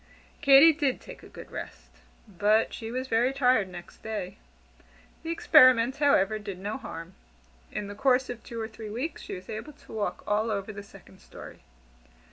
Katy did take a good rest, but she was very tired next day. The experiment, however, did no harm. In the course of two or three weeks, she was able to walk all over the second story.